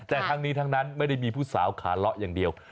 แต่ทั้งนี้ทั้งนั้นไม่ได้มีผู้สาวขาเลาะอย่างเดียว